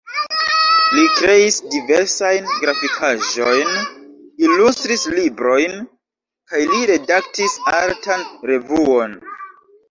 Li kreis diversajn grafikaĵojn, ilustris librojn kaj li redaktis artan revuon.